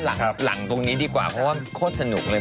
หลังตรงนี้ดีกว่าเพราะว่าโคตรสนุกเลย